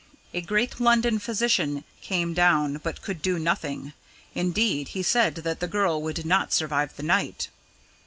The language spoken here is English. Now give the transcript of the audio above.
A great London physician came down but could do nothing indeed, he said that the girl would not survive the night.